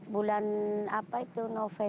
bulan apa itu